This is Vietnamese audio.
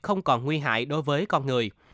không còn nguy hại đối với con người